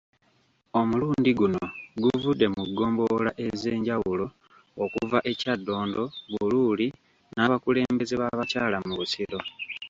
Omulundi guno guvudde mu ggombolola ez’enjawulo okuva e Kyaddondo, Buluuli n’abakulembeze b’abakyala mu Busiro.